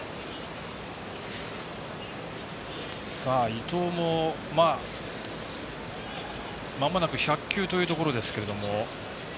伊藤も、まもなく１００球というところですが。